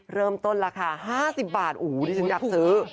เริ่มต้นละค่า๕๐บาทดีจังอยากซื้อ